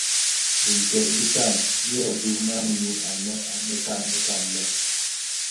Binted bitan byèbi manyu anë bekan lè.